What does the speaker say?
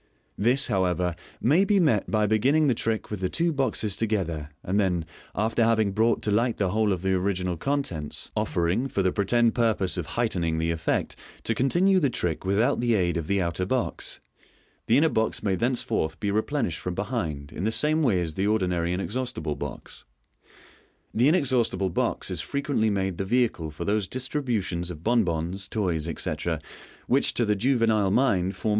This, however, may be met by beginning the trick with the two boxes together, and then, after having brought to light the whole of the original contents, offering (for the pretended purpose of heightening the effect) to continue the trick without the aid of the outer box. The inner box may thenceforth be replenished from behind in the same way as the ordinary Inexhaustible Box. The Inexhaustible Box is frequently made the vehicle for those distributions of bonbons, toys, etc., which to the juvenile mind form Fig. 228. MODERN MAGIC.